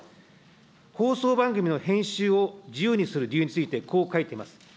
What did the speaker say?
放送番組の編集を自由にする理由についてこう書いています。